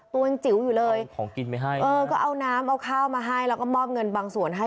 ตัวเองจิ๋วอยู่เลยเอาน้ำเอาข้าวมาให้แล้วก็มอบเงินบางส่วนให้